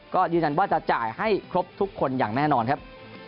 ก็ยืนยันว่าจะจ่ายให้ครบทุกคนอย่างแน่นอนครับ